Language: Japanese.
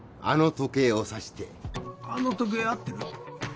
時計を指してあの時計合ってる？